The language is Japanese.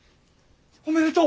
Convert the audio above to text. おめでとう！